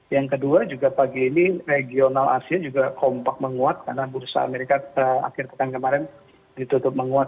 yang kedua juga pagi ini regional asia juga kompak menguat karena bursa amerika akhir pekan kemarin ditutup menguat